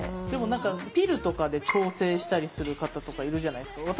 でも何かピルとかで調整したりする方とかいるじゃないですか。